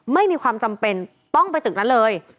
ไม่มีความจำเป็นต้องไปตึกนั้นเลย